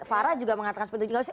farah juga mengatakan seperti itu